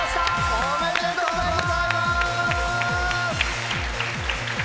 おめでとうございます！